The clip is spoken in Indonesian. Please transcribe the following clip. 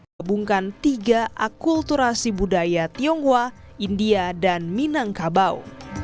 gabungkan tiga akulturasi budaya tionghoa india dan minangkabau